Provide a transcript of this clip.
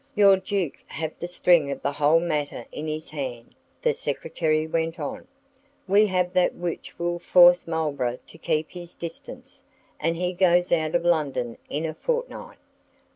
Your Duke hath the string of the whole matter in his hand," the Secretary went on. "We have that which will force Marlborough to keep his distance, and he goes out of London in a fortnight.